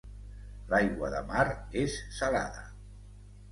L'aigua de mar és salada.